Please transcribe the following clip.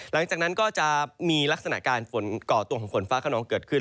หลังจากนั้นก็จะมีลักษณะการฝนก่อตัวของฝนฟ้าขนองเกิดขึ้น